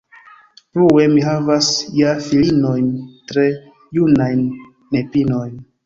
Plue mi havas ja filinojn, tre junajn nepinojn.